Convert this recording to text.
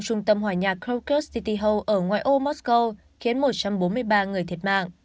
trung tâm hòa nhà crocus city hall ở ngoài ô moscow khiến một trăm bốn mươi ba người thiệt mạng